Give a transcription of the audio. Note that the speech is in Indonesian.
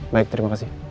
baik terima kasih